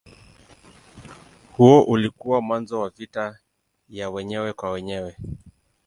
Huo ulikuwa mwanzo wa vita ya wenyewe kwa wenyewe.